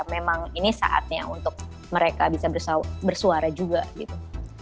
memang ini saatnya untuk mereka bisa bersuara juga gitu